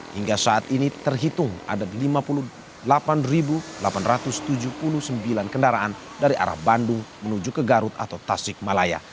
hingga saat ini terhitung ada lima puluh delapan delapan ratus tujuh puluh sembilan kendaraan dari arah bandung menuju ke garut atau tasik malaya